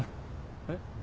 えっ？